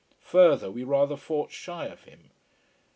Further we rather fought shy of him.